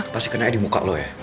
pasti kenanya di muka loh ya